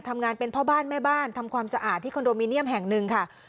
ทำงานเป็นพ่อบ้านแม่บ้านทำความสะอาดที่คอนโดมิเนียมแห่งหนึ่งค่ะ